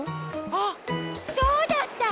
あっそうだった！